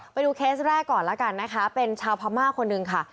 ไปดูเคสแรกก่อนแล้วกันนะคะเป็นชาวพม่าคนหนึ่งค่ะ